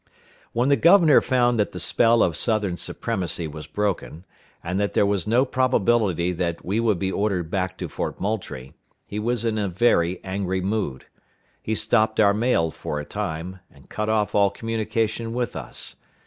When the governor found that the spell of Southern supremacy was broken, and that there was no probability that we would be ordered back to Fort Moultrie, he was in a very angry mood. He stopped our mail for a time, and cut off all communication with us.